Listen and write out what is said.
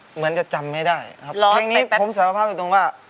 เหมือนกับจำไม่ได้ครับร้องเพลงนี้ผมสารภาพอยู่ตรงว่า